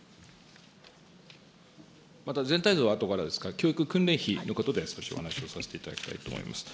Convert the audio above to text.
また全体像はあとからですが、教育訓練費のことで少しお話をさせていただきたいと思います。